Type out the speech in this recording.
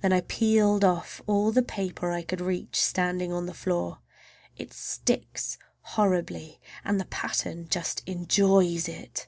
Then I peeled off all the paper I could reach standing on the floor. It sticks horribly and the pattern just enjoys it!